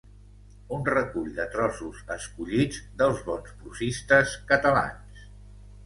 Un recull de trossos escollits dels bons prosistes catalans.